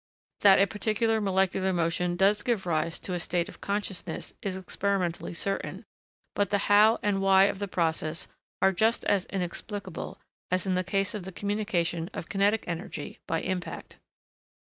That a particular molecular motion does give rise to a state of consciousness is experimentally certain; but the how and why of the process are just as inexplicable as in the case of the communication of kinetic energy by impact.